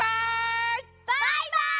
バイバイ！